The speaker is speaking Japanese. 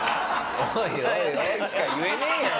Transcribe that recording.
おい」しか言えねえよ。